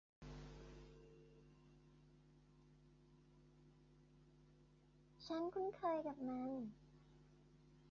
ฉันคุ้นเคยกับมัน